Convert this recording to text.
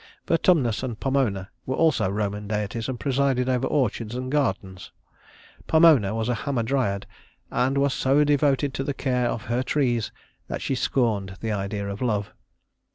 Vertumnus and Pomona were also Roman deities and presided over orchards and gardens. Pomona was a Hamadryad, and was so devoted to the care of her trees that she scorned the idea of love.